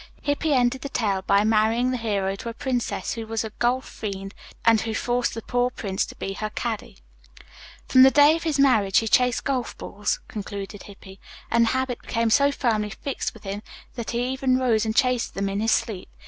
Hippy ended the tale by marrying the hero to a princess who was a golf fiend and who forced the poor prince to be her caddy. "From the day of his marriage he chased golf balls," concluded Hippy, "and the habit became so firmly fixed with him that he even rose and chased them in his sleep.